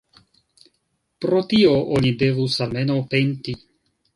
Pro tio oni devus almenaŭ penti.